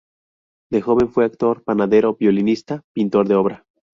De joven fue actor, panadero, violinista, pintor de obra.